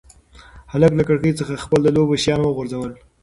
هلک له کړکۍ څخه خپل د لوبو شیان وغورځول.